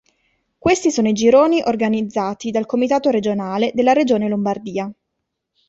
Questi sono i gironi organizzati dal Comitato Regionale della regione Lombardia.